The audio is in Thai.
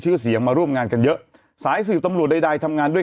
ชื่อเสียงมาร่วมงานกันเยอะสายสื่อตำรวจใดใดทำงานด้วย